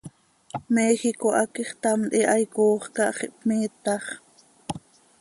Méjico hac ixtamt hihaai coox cah x ihpmiitax.